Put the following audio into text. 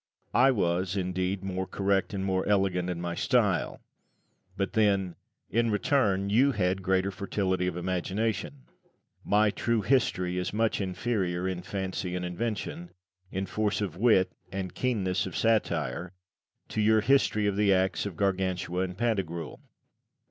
I was, indeed, more correct and more elegant in my style; but then, in return, you had a greater fertility of imagination. My "True History" is much inferior, in fancy and invention, in force of wit and keenness of satire, to your "History of the Acts of Gargantua and Pantagruel."